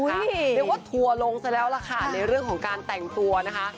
เรียกว่าทัวร์ลงซะแล้วล่ะค่ะในเรื่องของการแต่งตัวนะคะ